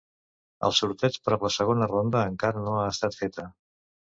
El sorteig per a la segona ronda encara no ha estat feta.